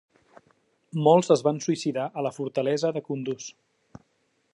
Molts es van suïcidar a la fortalesa de Kunduz.